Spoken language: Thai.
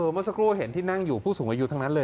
เมื่อสักครู่เห็นที่นั่งอยู่ผู้สูงอายุทั้งนั้นเลย